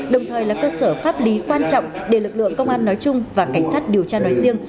đồng thời là cơ sở pháp lý quan trọng để lực lượng công an nói chung và cảnh sát điều tra nói riêng